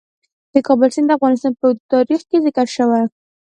د کابل سیند د افغانستان په اوږده تاریخ کې ذکر شوی.